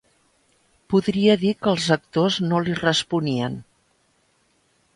Podria dir que els actors no li responien.